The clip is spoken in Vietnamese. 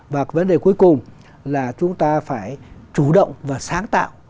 và vấn đề cuối cùng là chúng ta phải chủ động và sáng tạo